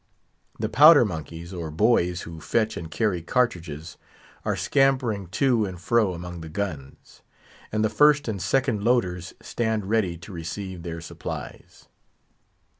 The Powder monkeys, or boys, who fetch and carry cartridges, are scampering to and fro among the guns; and the first and second loaders stand ready to receive their supplies.